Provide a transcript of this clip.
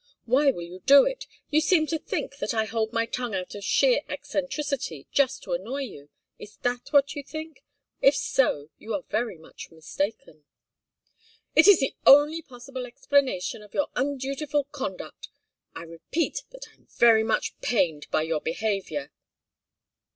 Why will you do it? You seem to think that I hold my tongue out of sheer eccentricity, just to annoy you. Is that what you think? If so, you're very much mistaken." "It's the only possible explanation of your undutiful conduct. I repeat that I'm very much pained by your behaviour."